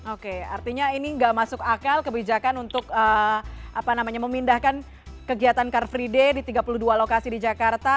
oke artinya ini nggak masuk akal kebijakan untuk memindahkan kegiatan car free day di tiga puluh dua lokasi di jakarta